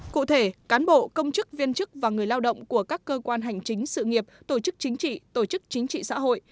cụ thể cán bộ công chức viên chức và người lao động của các cơ quan hành chính sự nghiệp tổ chức chính trị tổ chức chính trị xã hội